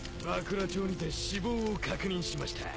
羅町にて死亡を確認しました。